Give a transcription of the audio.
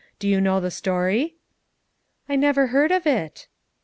Do you know the story?" "I never heard of it."